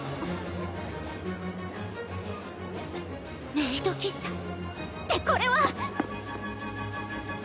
メイド喫茶ってこれは！